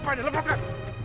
apaan ini lepaskan